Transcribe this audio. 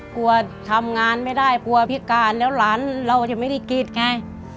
กลัวทำงานไม่ได้กลัวพิการแล้วหลานเราจะไม่ได้กรีดไง